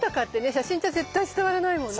写真じゃ絶対伝わらないもんね。